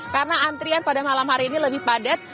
karena antrian pada malam hari ini lebih padat